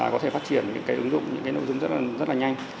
có thể phát triển những cái ứng dụng những cái nội dung rất là nhanh